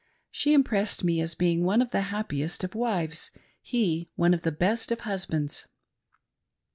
She impressed me as being one of the happiest of wives ; he one of the best of husbands.